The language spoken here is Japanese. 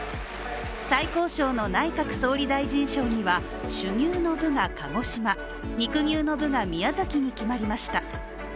最高賞の内閣総理大臣賞には種牛の部が鹿児島肉牛の部が宮崎に決まりました。